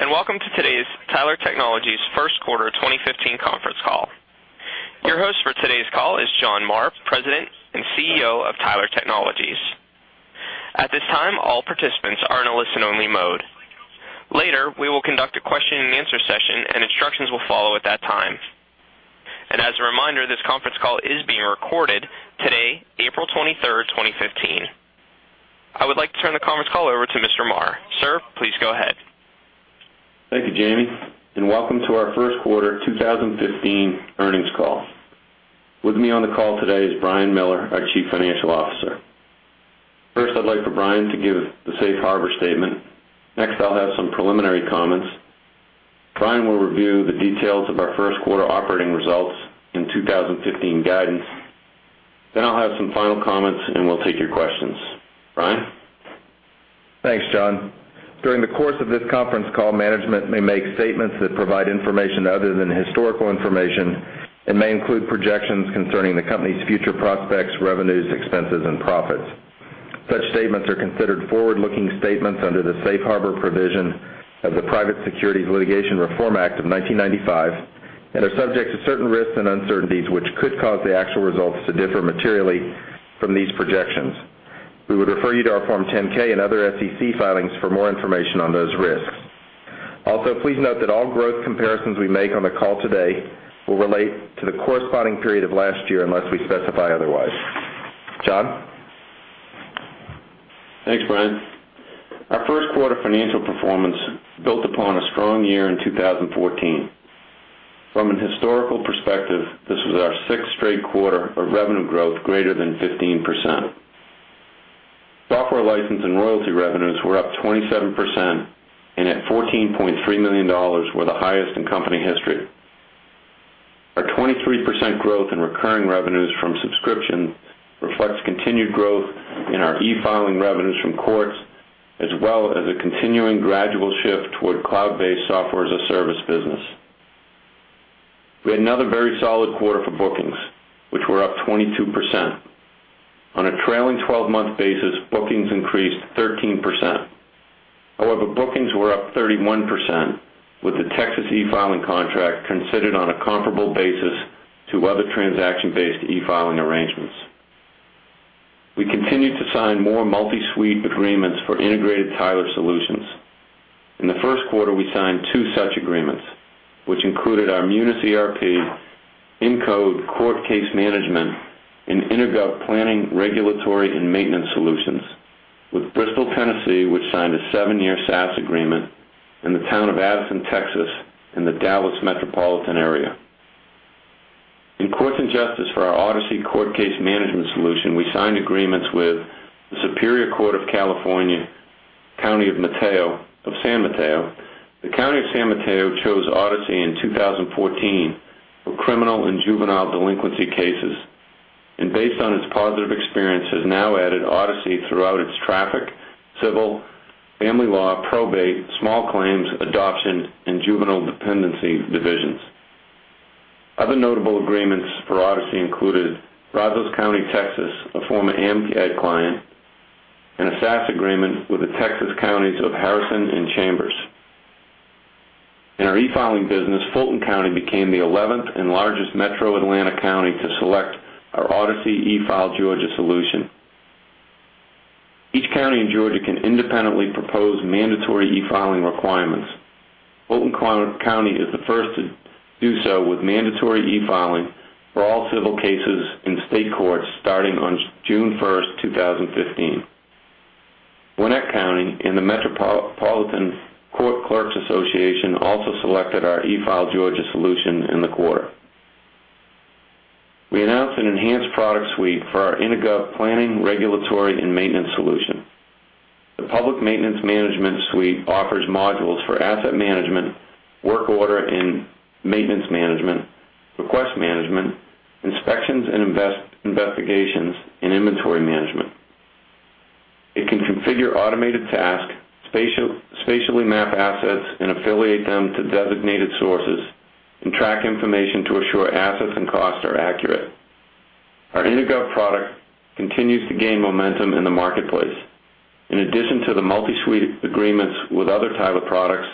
Hello, welcome to today's Tyler Technologies first quarter 2015 conference call. Your host for today's call is John Marr, President and CEO of Tyler Technologies. At this time, all participants are in a listen-only mode. Later, we will conduct a question and answer session, and instructions will follow at that time. As a reminder, this conference call is being recorded today, April 23rd, 2015. I would like to turn the conference call over to Mr. Marr. Sir, please go ahead. Thank you, Jamie, welcome to our first quarter 2015 earnings call. With me on the call today is Brian Miller, our Chief Financial Officer. First, I'd like for Brian to give the safe harbor statement. Next, I'll have some preliminary comments. Brian will review the details of our first quarter operating results and 2015 guidance. I'll have some final comments, and we'll take your questions. Brian? Thanks, John. During the course of this conference call, management may make statements that provide information other than historical information and may include projections concerning the company's future prospects, revenues, expenses, and profits. Such statements are considered forward-looking statements under the safe harbor provision of the Private Securities Litigation Reform Act of 1995 and are subject to certain risks and uncertainties, which could cause the actual results to differ materially from these projections. We would refer you to our Form 10-K and other SEC filings for more information on those risks. Please note that all growth comparisons we make on the call today will relate to the corresponding period of last year unless we specify otherwise. John? Thanks, Brian. Our first quarter financial performance built upon a strong year in 2014. From a historical perspective, this was our sixth straight quarter of revenue growth greater than 15%. Software license and royalty revenues were up 27% and at $14.3 million were the highest in company history. Our 23% growth in recurring revenues from subscription reflects continued growth in our e-filing revenues from courts, as well as a continuing gradual shift toward cloud-based software as a service business. We had another very solid quarter for bookings, which were up 22%. On a trailing 12-month basis, bookings increased 13%. Bookings were up 31% with the Texas e-filing contract considered on a comparable basis to other transaction-based e-filing arrangements. We continued to sign more multi-suite agreements for integrated Tyler solutions. In the first quarter, we signed two such agreements, which included our Munis ERP, EnCode court case management, and EnerGov planning, regulatory, and maintenance solutions with Bristol, Tennessee, which signed a seven-year SaaS agreement, and the town of Addison, Texas, in the Dallas metropolitan area. In courts and justice for our Odyssey court case management solution, we signed agreements with the Superior Court of California, County of San Mateo. The County of San Mateo chose Odyssey in 2014 for criminal and juvenile delinquency cases, and based on its positive experience, has now added Odyssey throughout its traffic, civil, family law, probate, small claims, adoption, and juvenile dependency divisions. Other notable agreements for Odyssey included Brazos County, Texas, a former AMCAD client, and a SaaS agreement with the Texas counties of Harrison and Chambers. In our e-filing business, Fulton County became the 11th and largest metro Atlanta county to select our Odyssey eFileGA solution. Each county in Georgia can independently propose mandatory e-filing requirements. Fulton County is the first to do so with mandatory e-filing for all civil cases in state courts starting on June 1st, 2015. Gwinnett County and the Georgia Municipal Court Clerks' Council also selected our eFileGA solution in the quarter. We announced an enhanced product suite for our EnerGov planning, regulatory, and maintenance solution. The Public Maintenance Management Suite offers modules for asset management, work order and maintenance management, request management, inspections and investigations, and inventory management. It can configure automated tasks, spatially map assets, and affiliate them to designated sources and track information to assure assets and costs are accurate. Our EnerGov product continues to gain momentum in the marketplace. In addition to the multi-suite agreements with other Tyler products,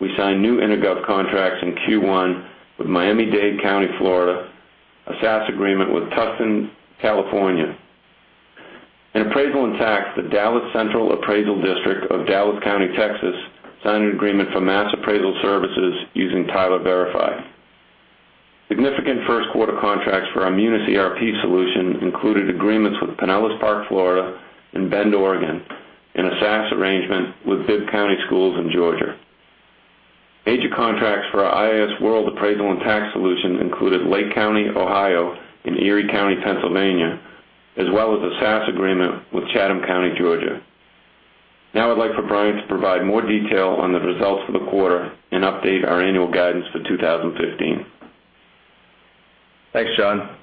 we signed new EnerGov contracts in Q1 with Miami-Dade County, Florida, a SaaS agreement with Tustin, California. In appraisal and tax, the Dallas Central Appraisal District of Dallas County, Texas, signed an agreement for mass appraisal services using Tyler Verify. Significant first quarter contracts for our Munis ERP solution included agreements with Pinellas Park, Florida, and Bend, Oregon, and a SaaS arrangement with Bibb County School District in Georgia. Major contracts for our iasWorld appraisal and tax solution included Lake County, Ohio, and Erie County, Pennsylvania, as well as a SaaS agreement with Chatham County, Georgia. Now I'd like for Brian to provide more detail on the results for the quarter and update our annual guidance for 2015. Thanks, John.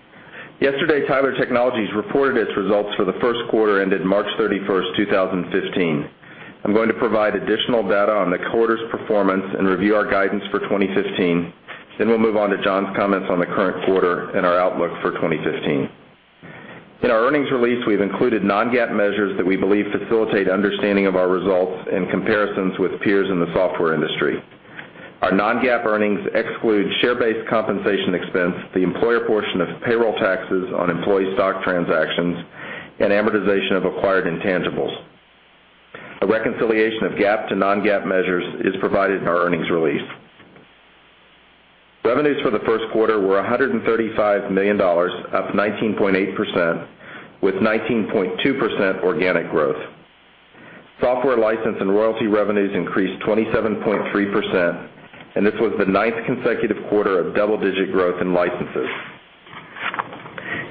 Yesterday, Tyler Technologies reported its results for the first quarter ended March 31st, 2015. I'm going to provide additional data on the quarter's performance and review our guidance for 2015. We'll move on to John's comments on the current quarter and our outlook for 2015. In our earnings release, we've included non-GAAP measures that we believe facilitate understanding of our results and comparisons with peers in the software industry. Our non-GAAP earnings exclude share-based compensation expense, the employer portion of payroll taxes on employee stock transactions, and amortization of acquired intangibles. A reconciliation of GAAP to non-GAAP measures is provided in our earnings release. Revenues for the first quarter were $135 million, up 19.8%, with 19.2% organic growth. Software license and royalty revenues increased 27.3%, and this was the ninth consecutive quarter of double-digit growth in licenses.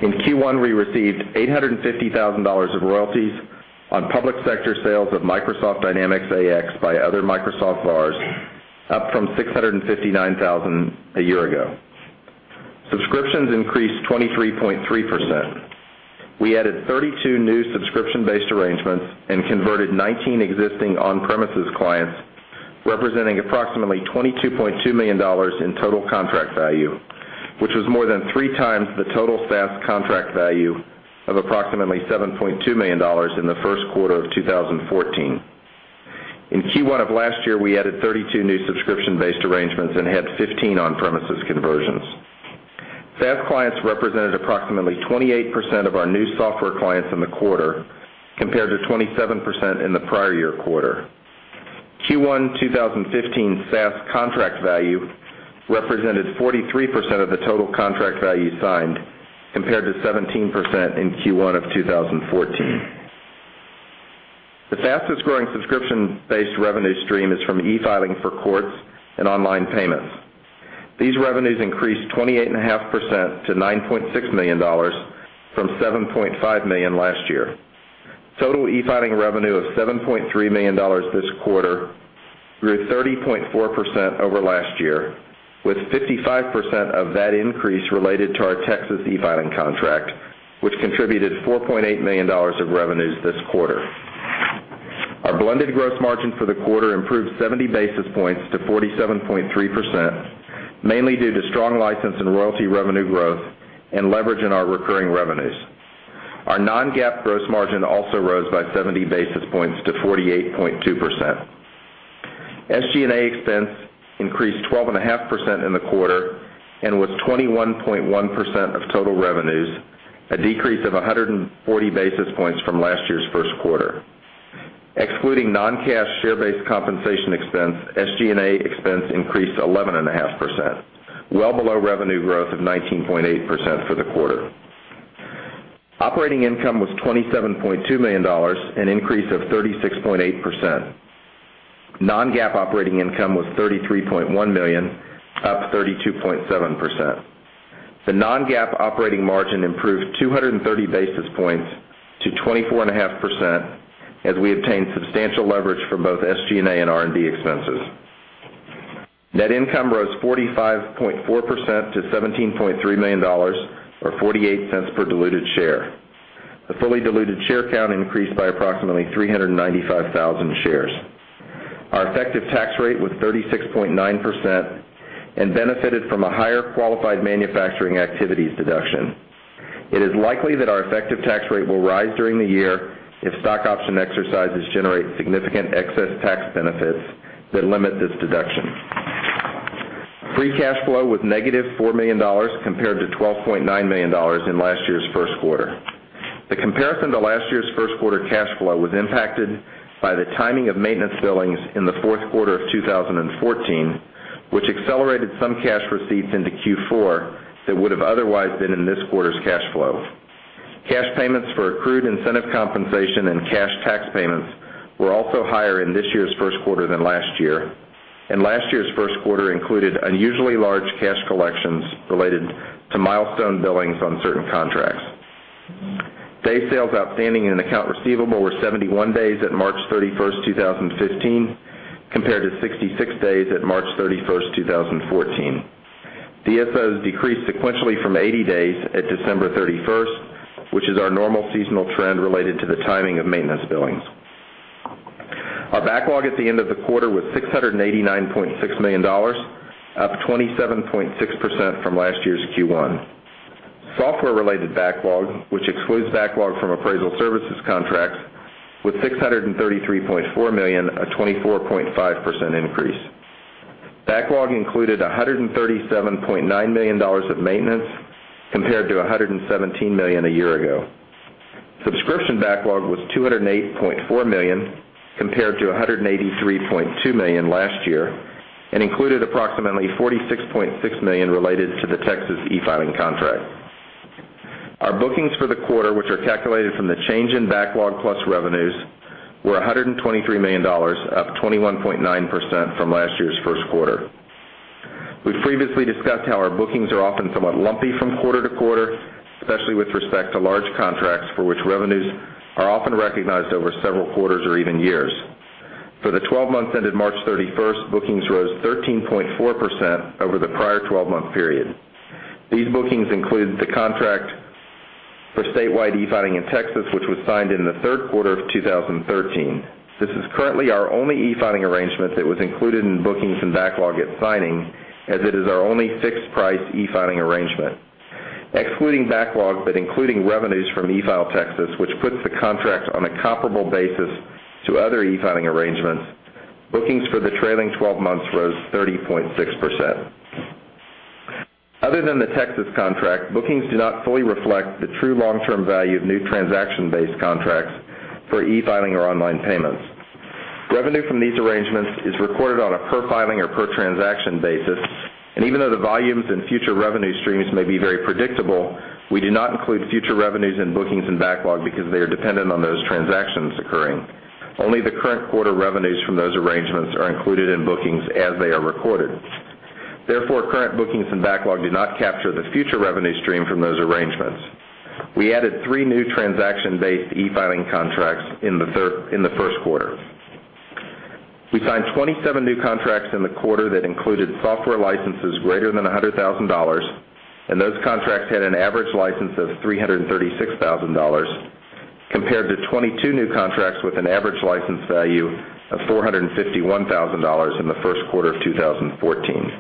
In Q1, we received $850,000 of royalties on public sector sales of Microsoft Dynamics AX by other Microsoft VARs, up from $659,000 a year ago. Subscriptions increased 23.3%. We added 32 new subscription-based arrangements and converted 19 existing on-premises clients, representing approximately $22.2 million in total contract value, which was more than three times the total SaaS contract value of approximately $7.2 million in the first quarter of 2014. In Q1 of last year, we added 32 new subscription-based arrangements and had 15 on-premises conversions. SaaS clients represented approximately 28% of our new software clients in the quarter, compared to 27% in the prior year quarter. Q1 2015 SaaS contract value represented 43% of the total contract value signed, compared to 17% in Q1 of 2014. The fastest-growing subscription-based revenue stream is from e-filing for courts and online payments. These revenues increased 28.5% to $9.6 million from $7.5 million last year. Total e-filing revenue of $7.3 million this quarter grew 30.4% over last year, with 55% of that increase related to our Texas e-filing contract, which contributed $4.8 million of revenues this quarter. Our blended gross margin for the quarter improved 70 basis points to 47.3%, mainly due to strong license and royalty revenue growth and leverage in our recurring revenues. Our non-GAAP gross margin also rose by 70 basis points to 48.2%. SG&A expense increased 12.5% in the quarter and was 21.1% of total revenues, a decrease of 140 basis points from last year's first quarter. Excluding non-cash share-based compensation expense, SG&A expense increased 11.5%, well below revenue growth of 19.8% for the quarter. Operating income was $27.2 million, an increase of 36.8%. Non-GAAP operating income was $33.1 million, up 32.7%. The non-GAAP operating margin improved 230 basis points to 24.5% as we obtained substantial leverage from both SG&A and R&D expenses. Net income rose 45.4% to $17.3 million, or $0.48 per diluted share. The fully diluted share count increased by approximately 395,000 shares. Our effective tax rate was 36.9% and benefited from a higher qualified manufacturing activities deduction. It is likely that our effective tax rate will rise during the year if stock option exercises generate significant excess tax benefits that limit this deduction. Free cash flow was negative $4 million compared to $12.9 million in last year's first quarter. The comparison to last year's first quarter cash flow was impacted by the timing of maintenance billings in the fourth quarter of 2014, which accelerated some cash receipts into Q4 that would have otherwise been in this quarter's cash flow. Cash payments for accrued incentive compensation and cash tax payments were also higher in this year's first quarter than last year, and last year's first quarter included unusually large cash collections related to milestone billings on certain contracts. Day sales outstanding in account receivable were 71 days at March 31st, 2015, compared to 66 days at March 31st, 2014. DSOs decreased sequentially from 80 days at December 31st, which is our normal seasonal trend related to the timing of maintenance billings. Our backlog at the end of the quarter was $689.6 million, up 27.6% from last year's Q1. Software-related backlog, which excludes backlog from appraisal services contracts, was $633.4 million, a 24.5% increase. Backlog included $137.9 million of maintenance, compared to $117 million a year ago. Subscription backlog was $208.4 million, compared to $183.2 million last year, and included approximately $46.6 million related to the Texas e-filing contract. Our bookings for the quarter, which are calculated from the change in backlog plus revenues, were $123 million, up 21.9% from last year's first quarter. We've previously discussed how our bookings are often somewhat lumpy from quarter to quarter, especially with respect to large contracts for which revenues are often recognized over several quarters or even years. For the 12 months ended March 31st, bookings rose 13.4% over the prior 12-month period. These bookings include the contract for statewide e-filing in Texas, which was signed in the third quarter of 2013. This is currently our only e-filing arrangement that was included in bookings and backlog at signing, as it is our only fixed price e-filing arrangement. Excluding backlog, but including revenues from eFileTexas, which puts the contract on a comparable basis to other e-filing arrangements, bookings for the trailing 12 months rose 30.6%. Other than the Texas contract, bookings do not fully reflect the true long-term value of new transaction-based contracts for e-filing or online payments. Even though the volumes and future revenue streams may be very predictable, we do not include future revenues in bookings and backlog because they are dependent on those transactions occurring. Only the current quarter revenues from those arrangements are included in bookings as they are recorded. Therefore, current bookings and backlog do not capture the future revenue stream from those arrangements. We added three new transaction-based e-filing contracts in the first quarter. We signed 27 new contracts in the quarter that included software licenses greater than $100,000. Those contracts had an average license of $336,000, compared to 22 new contracts with an average license value of $451,000 in the first quarter of 2014.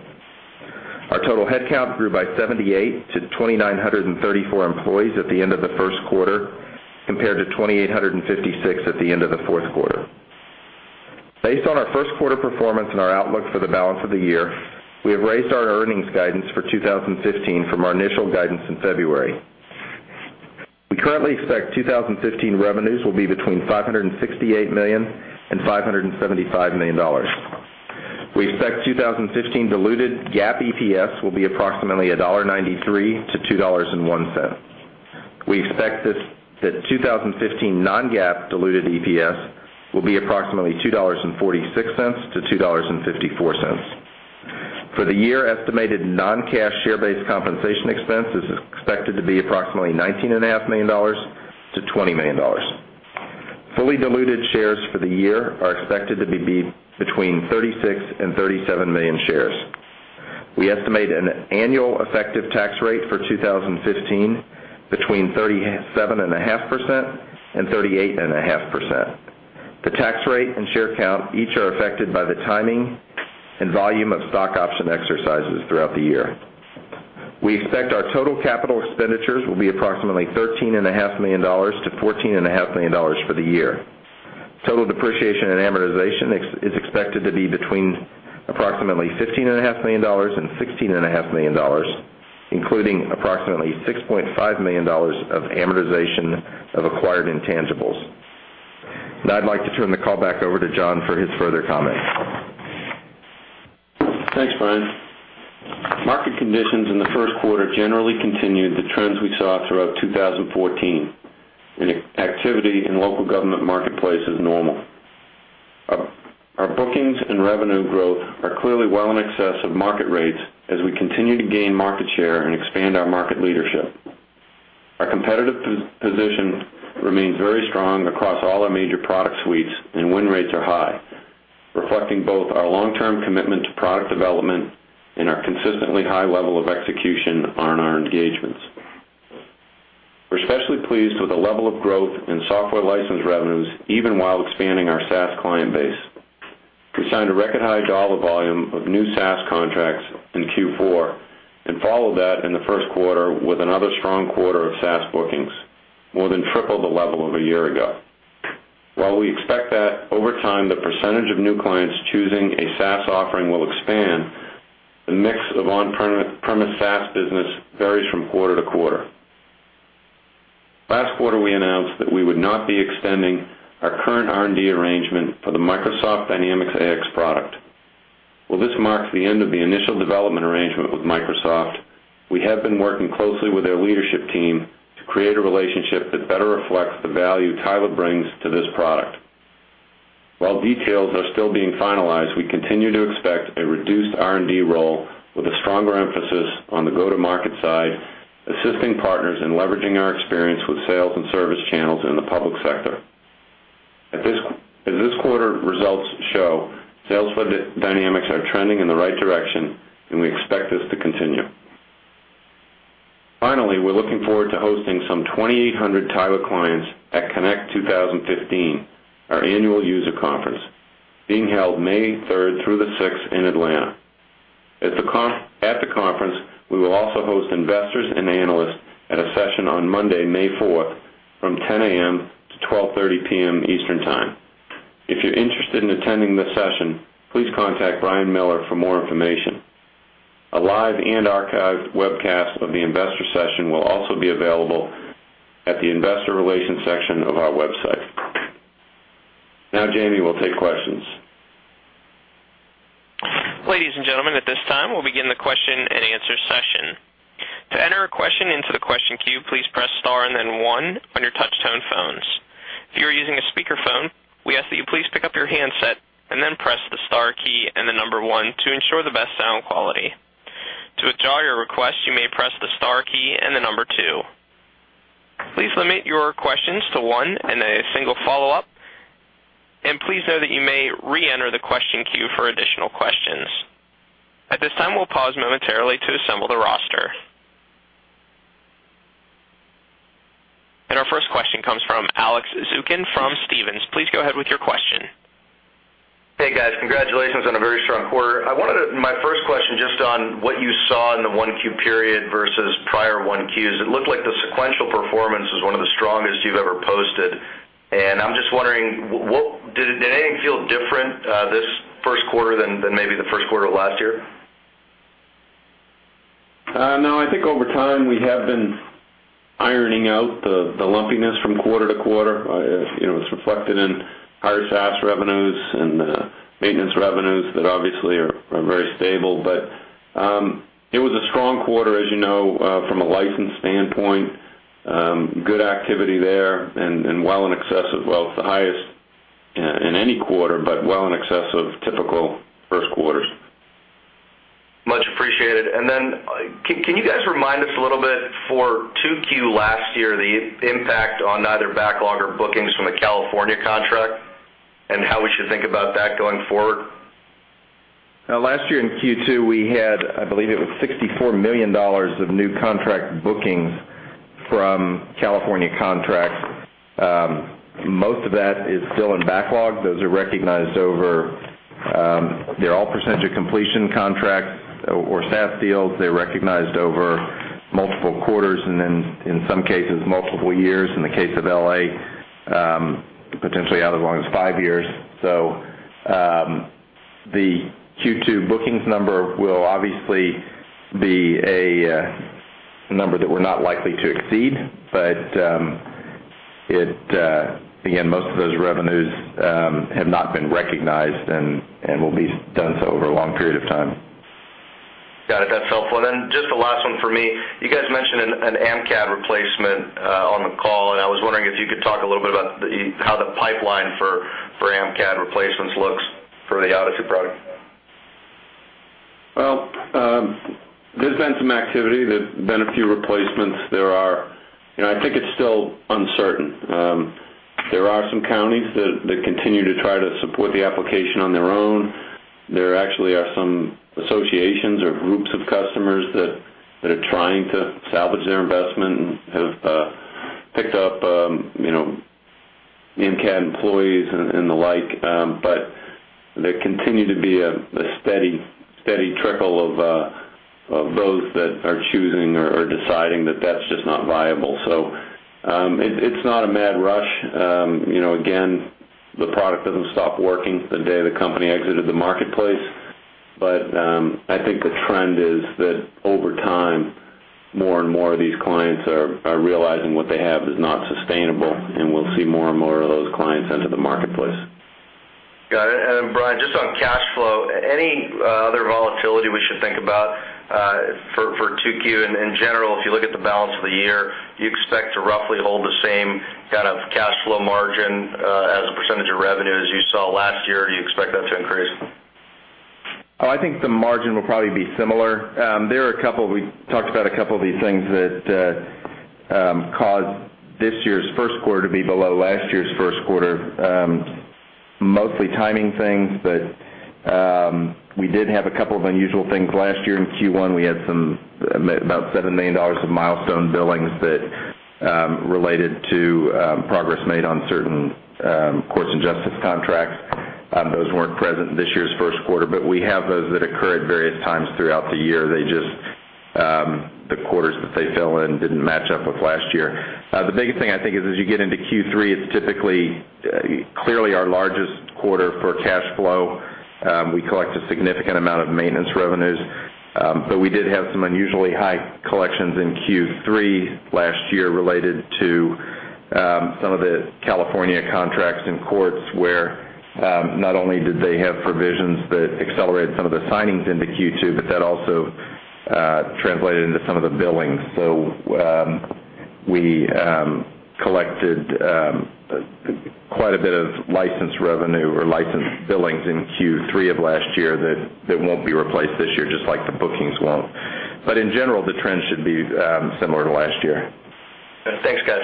Our total headcount grew by 78 to 2,934 employees at the end of the first quarter, compared to 2,856 at the end of the fourth quarter. Based on our first quarter performance and our outlook for the balance of the year, we have raised our earnings guidance for 2015 from our initial guidance in February. We currently expect 2015 revenues will be between $568 million-$575 million. We expect 2015 diluted GAAP EPS will be approximately $1.93-$2.01. We expect that 2015 non-GAAP diluted EPS will be approximately $2.46-$2.54. For the year, estimated non-cash share-based compensation expense is expected to be approximately $19.5 million-$20 million. Fully diluted shares for the year are expected to be between 36 million-37 million shares. We estimate an annual effective tax rate for 2015 between 37.5%-38.5%. The tax rate and share count each are affected by the timing and volume of stock option exercises throughout the year. We expect our total capital expenditures will be approximately $13.5 million-$14.5 million for the year. Total depreciation and amortization is expected to be between approximately $15.5 million-$16.5 million, including approximately $6.5 million of amortization of acquired intangibles. I'd like to turn the call back over to John for his further comments. Thanks, Brian. Market conditions in the first quarter generally continued the trends we saw throughout 2014. Activity in local government marketplace is normal. Our bookings and revenue growth are clearly well in excess of market rates as we continue to gain market share and expand our market leadership. Our competitive position remains very strong across all our major product suites, and win rates are high, reflecting both our long-term commitment to product development and our consistently high level of execution on our engagements. We're especially pleased with the level of growth in software license revenues, even while expanding our SaaS client base. We signed a record high dollar volume of new SaaS contracts in Q4 and followed that in the first quarter with another strong quarter of SaaS bookings, more than triple the level of a year ago. While we expect that over time, the percentage of new clients choosing a SaaS offering will expand, the mix of on-premise SaaS business varies from quarter to quarter. Last quarter, we announced that we would not be extending our current R&D arrangement for the Microsoft Dynamics AX product. While this marks the end of the initial development arrangement with Microsoft, we have been working closely with their leadership team to create a relationship that better reflects the value Tyler brings to this product. While details are still being finalized, we continue to expect a reduced R&D role with a stronger emphasis on the go-to-market side, assisting partners in leveraging our experience with sales and service channels in the public sector. As this quarter results show, sales for Dynamics are trending in the right direction. We expect this to continue. Finally, we're looking forward to hosting some 2,800 Tyler clients at Connect 2015, our annual user conference, being held May 3rd through the 6th in Atlanta. At the conference, we will also host investors and analysts at a session on Monday, May 4th, from 10:00 A.M. to 12:30 P.M. Eastern Time. If you're interested in attending the session, please contact Brian Miller for more information. A live and archived webcast of the investor session will also be available at the investor relations section of our website. Jamie will take questions. Ladies and gentlemen, at this time, we'll begin the question and answer session. To enter a question into the question queue, please press star and then one on your touch tone phones. If you are using a speakerphone, we ask that you please pick up your handset and then press the star key and the number one to ensure the best sound quality. To withdraw your request, you may press the star key and the number two. Please limit your questions to one and a single follow-up. Please know that you may re-enter the question queue for additional questions. At this time, we'll pause momentarily to assemble the roster. Our first question comes from Alex Zukin from Stephens. Please go ahead with your question. Hey, guys. Congratulations on a very strong quarter. My first question, just on what you saw in the 1Q period versus prior 1Qs. It looked like the sequential performance was one of the strongest you've ever posted. I'm just wondering, did anything feel different this first quarter than maybe the first quarter of last year? No, I think over time, we have been ironing out the lumpiness from quarter to quarter. It's reflected in higher SaaS revenues and maintenance revenues that obviously are very stable. It was a strong quarter, as you know, from a license standpoint. Good activity there and well in excess of, well, it's the highest in any quarter, well in excess of typical first quarters. Much appreciated. Can you guys remind us a little bit for 2Q last year, the impact on either backlog or bookings from the California contract and how we should think about that going forward? Last year in Q2, we had, I believe it was $64 million of new contract bookings from California contracts. Most of that is still in backlog. They're all percentage completion contracts or SaaS deals. They're recognized over multiple quarters in some cases, multiple years. In the case of L.A., potentially out as long as five years. The Q2 bookings number will obviously be a number that we're not likely to exceed. Again, most of those revenues have not been recognized and will be done so over a long period of time. Got it. That's helpful. Just the last one for me. You guys mentioned an AMCAD replacement on the call, I was wondering if you could talk a little bit about how the pipeline for AMCAD replacements looks for the Odyssey product. There's been some activity. There's been a few replacements. I think it's still uncertain. There are some counties that continue to try to support the application on their own. There actually are some associations or groups of customers that are trying to salvage their investment and have picked up AMCAD employees and the like. There continue to be a steady trickle of those that are choosing or deciding that that's just not viable. It's not a mad rush. Again, the product doesn't stop working the day the company exited the marketplace. I think the trend is that over time, more and more of these clients are realizing what they have is not sustainable, and we'll see more and more of those clients enter the marketplace. Got it. Brian, just on cash flow, any other volatility we should think about for 2Q in general, if you look at the balance of the year, do you expect to roughly hold the same kind of cash flow margin as a percentage of revenue as you saw last year? Or do you expect that to increase? I think the margin will probably be similar. We talked about a couple of these things that caused this year's first quarter to be below last year's first quarter. Mostly timing things, but we did have a couple of unusual things last year in Q1. We had about $7 million of milestone billings that related to progress made on certain courts and justice contracts. Those weren't present this year's first quarter, but we have those that occur at various times throughout the year. The quarters that they fell in didn't match up with last year. The biggest thing I think is as you get into Q3, it's typically clearly our largest quarter for cash flow. We collect a significant amount of maintenance revenues. We did have some unusually high collections in Q3 last year related to some of the California contracts in courts where not only did they have provisions that accelerated some of the signings into Q2, that also translated into some of the billings. We collected quite a bit of license revenue or license billings in Q3 of last year that won't be replaced this year, just like the bookings won't. In general, the trend should be similar to last year. Thanks, guys.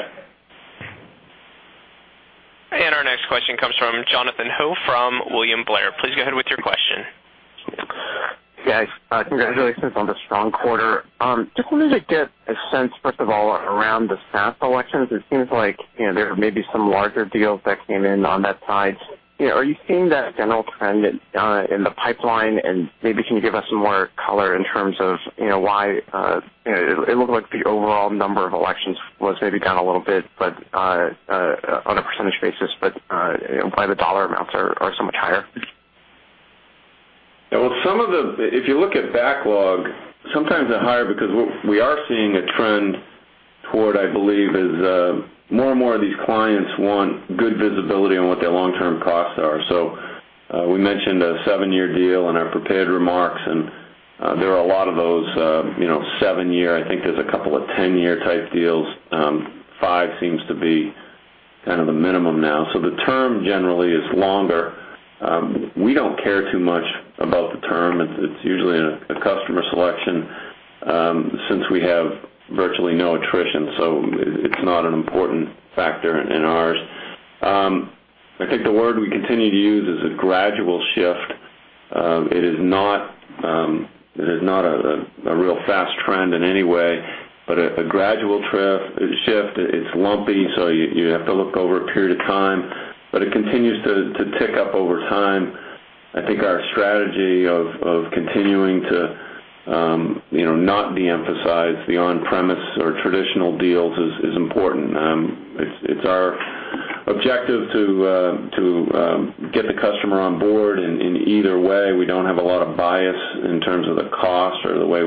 Our next question comes from Jonathan Ho from William Blair. Please go ahead with your question. Guys, congratulations on the strong quarter. Just wanted to get a sense, first of all, around the SaaS elections. It seems like there may be some larger deals that came in on that side. Are you seeing that general trend in the pipeline? Maybe can you give us some more color in terms of why it looked like the overall number of elections was maybe down a little bit on a percentage basis, but why the dollar amounts are so much higher? If you look at backlog, sometimes they're higher because we are seeing a trend toward, I believe, is more and more of these clients want good visibility on what their long-term costs are. We mentioned a seven-year deal in our prepared remarks, and there are a lot of those seven-year, I think there's a couple of 10-year type deals. Five seems to be the minimum now. The term generally is longer. We don't care too much about the term. It's usually a customer selection since we have virtually no attrition, so it's not an important factor in ours. I think the word we continue to use is a gradual shift. It is not a real fast trend in any way, but a gradual shift. It's lumpy, so you have to look over a period of time, but it continues to tick up over time. I think our strategy of continuing to not de-emphasize the on-premise or traditional deals is important. It's our objective to get the customer on board in either way. We don't have a lot of bias in terms of the cost or the way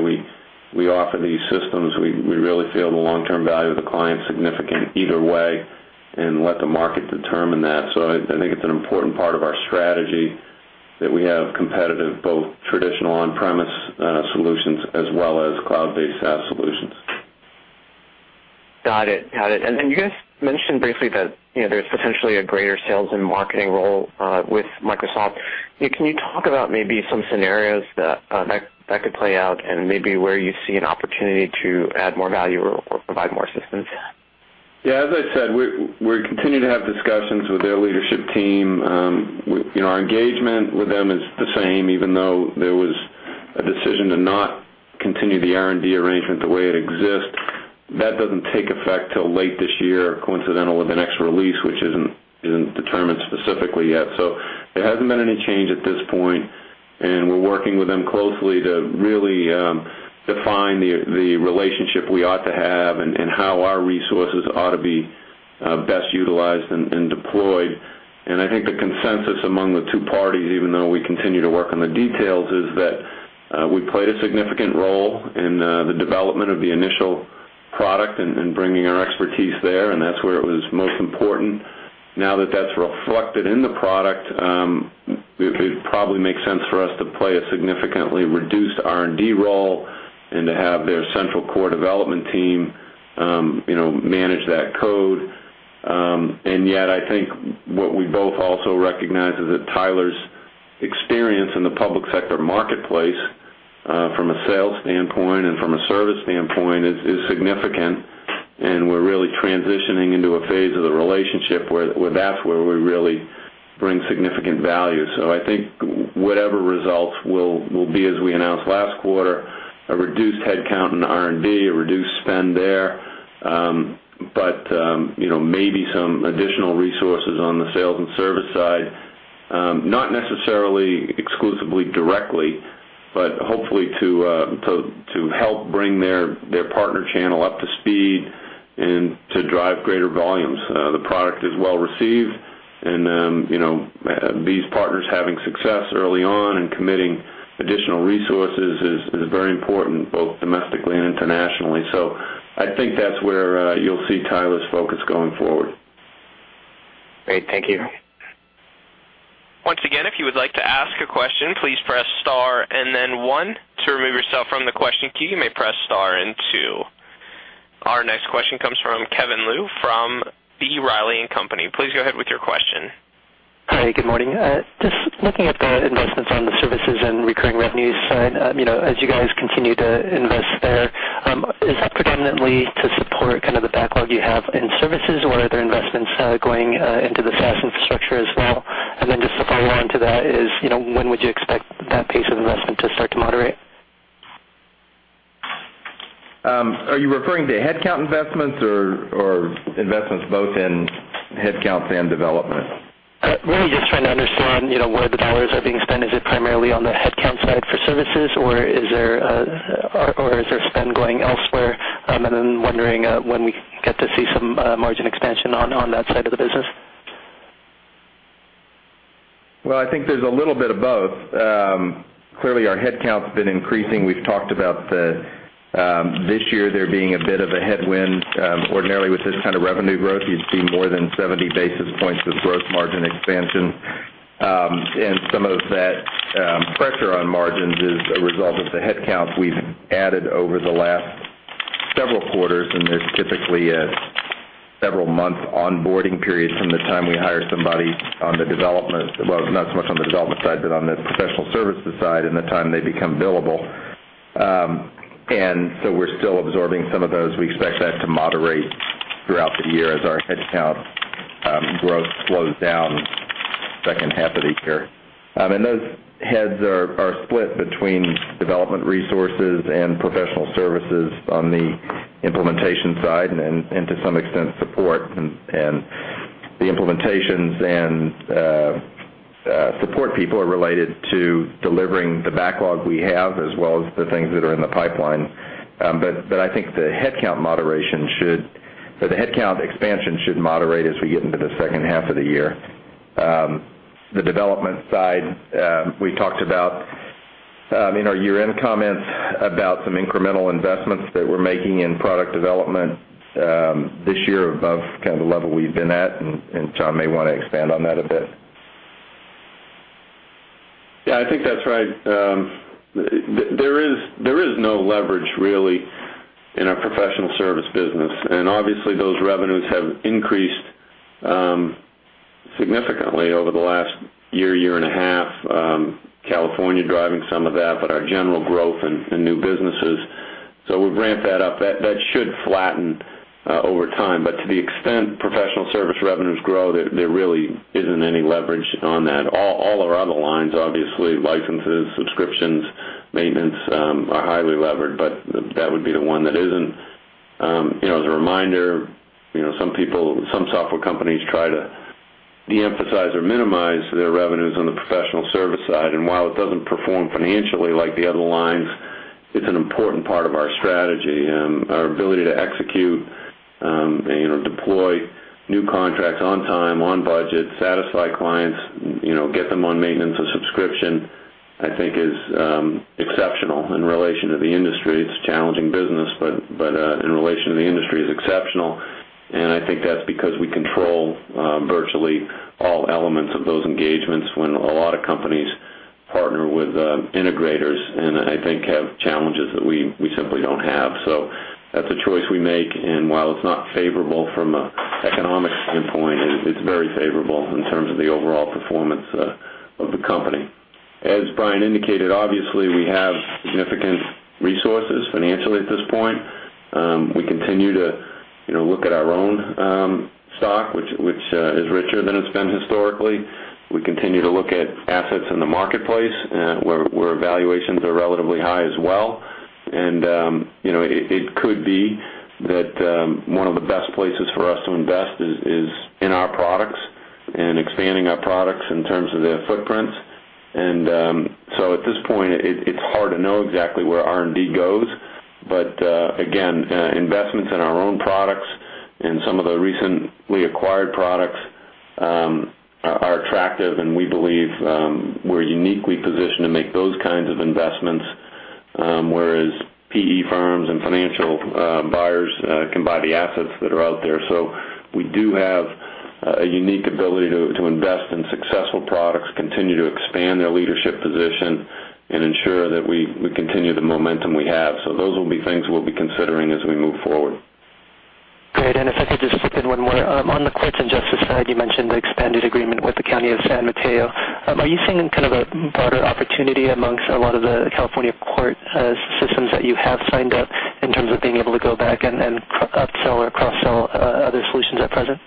we offer these systems. We really feel the long-term value of the client significant either way and let the market determine that. I think it's an important part of our strategy that we have competitive, both traditional on-premise solutions as well as cloud-based SaaS solutions. Got it. You guys mentioned briefly that there's potentially a greater sales and marketing role with Microsoft. Can you talk about maybe some scenarios that could play out and maybe where you see an opportunity to add more value or provide more assistance? Yeah, as I said, we continue to have discussions with their leadership team. Our engagement with them is the same, even though there was a decision to not continue the R&D arrangement the way it exists. That doesn't take effect till late this year, coincidental with the next release, which isn't determined specifically yet. There hasn't been any change at this point, and we're working with them closely to really define the relationship we ought to have and how our resources ought to be best utilized and deployed. I think the consensus among the two parties, even though we continue to work on the details, is that we played a significant role in the development of the initial product and bringing our expertise there, and that's where it was most important. Now that that's reflected in the product, it probably makes sense for us to play a significantly reduced R&D role and to have their central core development team manage that code. Yet, I think what we both also recognize is that Tyler's experience in the public sector marketplace, from a sales standpoint and from a service standpoint, is significant, and we're really transitioning into a phase of the relationship where that's where we really bring significant value. I think whatever results will be, as we announced last quarter, a reduced headcount in R&D, a reduced spend there. Maybe some additional resources on the sales and service side. Not necessarily exclusively directly, but hopefully to help bring their partner channel up to speed and to drive greater volumes. The product is well received, and these partners having success early on and committing additional resources is very important, both domestically and internationally. I think that's where you'll see Tyler's focus going forward. Great. Thank you. Once again, if you would like to ask a question, please press star and then one. To remove yourself from the question queue, you may press star and two. Our next question comes from Kevin Liu from B. Riley & Co.. Please go ahead with your question. Hi, good morning. Just looking at the investments on the services and recurring revenues side, as you guys continue to invest there, is that predominantly to support the backlog you have in services, or are there investments going into the SaaS infrastructure as well? Just a follow-on to that is, when would you expect that pace of investment to start to moderate? Are you referring to headcount investments or investments both in headcounts and development? Really just trying to understand where the dollars are being spent. Is it primarily on the headcount side for services, or is there spend going elsewhere? Wondering when we get to see some margin expansion on that side of the business. Well, I think there's a little bit of both. Clearly, our headcount's been increasing. We've talked about this year there being a bit of a headwind. Ordinarily, with this kind of revenue growth, you'd see more than 70 basis points of gross margin expansion. Some of that pressure on margins is a result of the headcount we've added over the last several quarters, and there's typically a several-month onboarding period from the time we hire somebody. Well, not so much on the development side, but on the professional services side and the time they become billable. We're still absorbing some of those. We expect that to moderate throughout the year as our headcount growth slows down second half of the year. Those heads are split between development resources and professional services on the implementation side and to some extent, support. The implementations and support people are related to delivering the backlog we have, as well as the things that are in the pipeline. I think the headcount expansion should moderate as we get into the second half of the year. The development side, we talked about in our year-end comments about some incremental investments that we're making in product development this year above the level we've been at, and Tom may want to expand on that a bit. I think that's right. There is no leverage really in our professional service business, obviously, those revenues have increased significantly over the last year and a half. California driving some of that, but our general growth and new businesses. We've ramped that up. That should flatten over time. To the extent professional service revenues grow, there really isn't any leverage on that. All of our other lines, obviously, licenses, subscriptions, maintenance, are highly levered, but that would be the one that isn't. As a reminder, some software companies try to de-emphasize or minimize their revenues on the professional service side, while it doesn't perform financially like the other lines, it's an important part of our strategy. Our ability to execute and deploy new contracts on time, on budget, satisfy clients, get them on maintenance or subscription, I think, is exceptional in relation to the industry. It's a challenging business, but in relation to the industry, it's exceptional. I think that's because we control virtually all elements of those engagements when a lot of companies partner with integrators, I think, have challenges that we simply don't have. That's a choice we make, while it's not favorable from an economic standpoint, it's very favorable in terms of the overall performance of the company. As Brian indicated, obviously, we have significant resources financially at this point. We continue to look at our own stock, which is richer than it's been historically. We continue to look at assets in the marketplace, where valuations are relatively high as well. It could be that one of the best places for us to invest is in our products and expanding our products in terms of their footprints. At this point, it's hard to know exactly where R&D goes, again, investments in our own products and some of the recently acquired products are attractive, we believe we're uniquely positioned to make those kinds of investments, whereas PE firms and financial buyers can buy the assets that are out there. We do have a unique ability to invest in successful products, continue to expand their leadership position, and ensure that we continue the momentum we have. Those will be things we'll be considering as we move forward. Great. If I could just slip in one more. On the courts and justice side, you mentioned the expanded agreement with the County of San Mateo. Are you seeing a broader opportunity amongst a lot of the California court systems that you have signed up, in terms of being able to go back and upsell or cross-sell other solutions at present?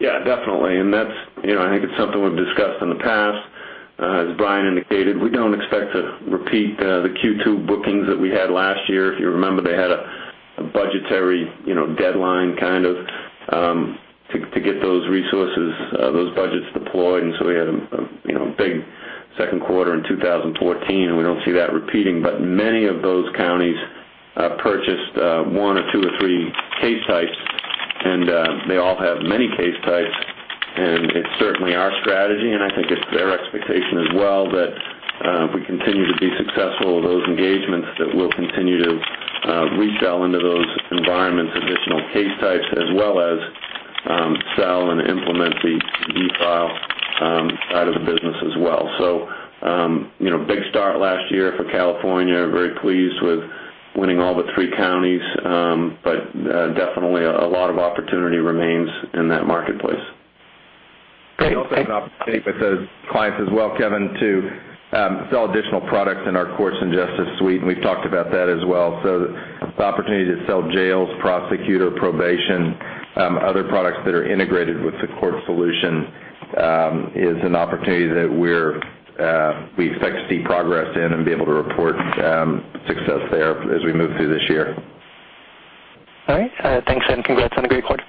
Yeah, definitely. I think it's something we've discussed in the past. As Brian indicated, we don't expect to repeat the Q2 bookings that we had last year. If you remember, they had a budgetary deadline, kind of, to get those resources, those budgets deployed, we had a big second quarter in 2014, and we don't see that repeating. Many of those counties purchased one or two or three case types, and they all have many case types. It's certainly our strategy, and I think it's their expectation as well, that if we continue to be successful with those engagements, that we'll continue to resell into those environments, additional case types, as well as sell and implement the eFile side of the business as well. Big start last year for California. Very pleased with winning all the three counties. Definitely a lot of opportunity remains in that marketplace. Great. We also have an opportunity with those clients as well, Kevin, to sell additional products in our courts and justice suite, we've talked about that as well. The opportunity to sell jails, prosecutor, probation, other products that are integrated with the court solution, is an opportunity that we expect to see progress in and be able to report success there as we move through this year. All right. Thanks, congrats on a great quarter.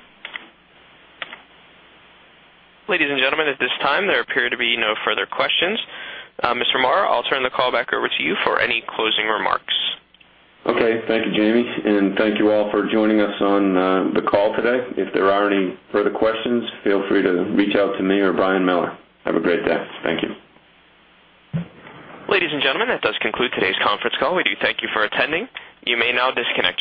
Ladies and gentlemen, at this time, there appear to be no further questions. Mr. Marr, I'll turn the call back over to you for any closing remarks. Okay. Thank you, Jamie. Thank you all for joining us on the call today. If there are any further questions, feel free to reach out to me or Brian Miller. Have a great day. Thank you. Ladies and gentlemen, that does conclude today's conference call. We do thank you for attending. You may now disconnect.